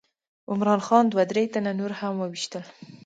عمرا خان دوه درې تنه نور هم وویشتل.